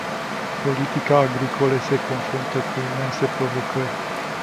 Politica agricolă se confruntă cu imense provocări.